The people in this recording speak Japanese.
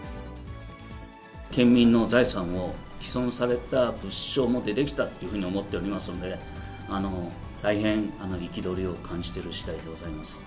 県民の財産を毀損された物証も出てきたというふうに思っておりますので、大変憤りを感じているしだいでございます。